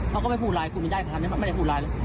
เขาก็บอกว่าไม่พูดอะไร